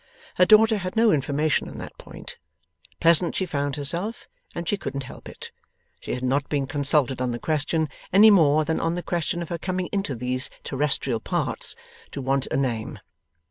Her daughter had no information on that point. Pleasant she found herself, and she couldn't help it. She had not been consulted on the question, any more than on the question of her coming into these terrestrial parts, to want a name.